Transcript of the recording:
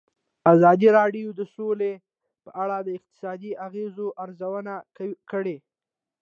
ازادي راډیو د سوله په اړه د اقتصادي اغېزو ارزونه کړې.